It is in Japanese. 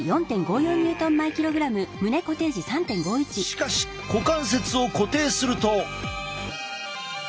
しかし股関節を固定すると。